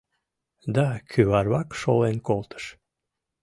Да кӱварвак шолен колтыш.